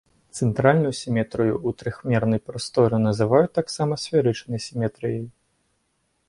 Цэнтральную сіметрыю ў трохмернай прасторы называюць таксама сферычнай сіметрыяй.